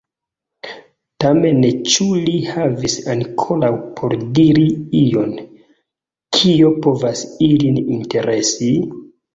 Tamen ĉu li havis ankoraŭ por diri ion, kio povas ilin interesi?